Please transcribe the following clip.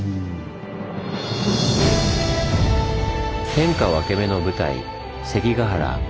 天下分け目の舞台関ケ原。